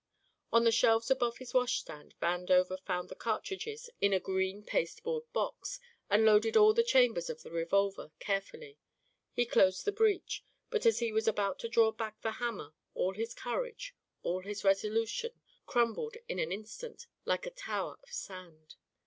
On the shelves above his washstand Vandover found the cartridges in a green pasteboard box, and loaded all the chambers of the revolver, carefully. He closed the breech; but as he was about to draw back the hammer all his courage, all his resolution, crumbled in an instant like a tower of sand.